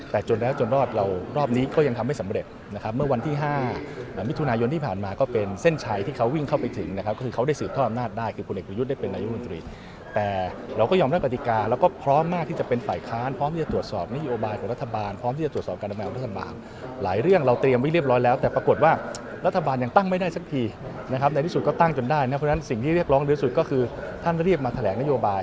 แต่เราก็ยอมรับปฏิกาแล้วก็พร้อมมากที่จะเป็นฝ่ายค้านพร้อมที่จะตรวจสอบนโยบายของรัฐบาลพร้อมที่จะตรวจสอบการทำงานของรัฐบาลหลายเรื่องเราเตรียมไว้เรียบร้อยแล้วแต่ปรากฏว่ารัฐบาลยังตั้งไม่ได้สักทีนะครับในที่สุดก็ตั้งจนได้นะครับเพราะฉะนั้นสิ่งที่เรียกร้องเดือดสุดก็คือท่านเรียบ